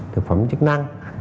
thực phẩm chức năng